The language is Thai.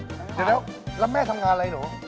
เดี๋ยวแล้วแม่ทำงานอะไรหนู